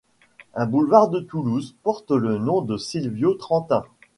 Un boulevard de Toulouse porte le nom de Silvio Trentin.